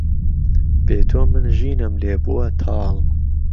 بێ تۆ من ژینم لێ بووه تاڵ